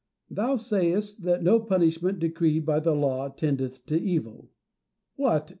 Thou sayest that no punishment decreed by the laws tendeth to evil. "What